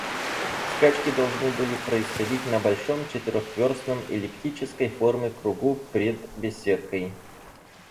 Скачки должны были происходить на большом четырехверстном эллиптической формы кругу пред беседкой.